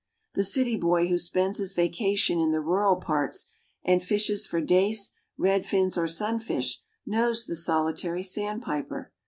The city boy who spends his vacation in the rural parts and fishes for dace, redfins or sunfish, knows the Solitary Sandpiper.